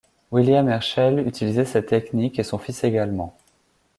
William Herschel utilisait cette technique et son fils également.